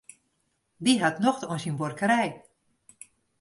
Dy hat nocht oan syn buorkerij.